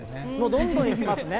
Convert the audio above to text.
どんどんいきますね。